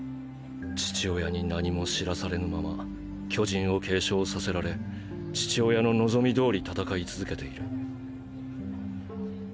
父親に何も知らされぬまま巨人を継承させられ父親の望みどおり戦い続けている。